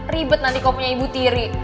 ribet nanti kau punya ibu tiri